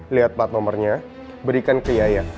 lihat plat nomornya berikan ke yaya